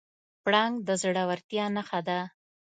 پړانګ د زړورتیا نښه ده.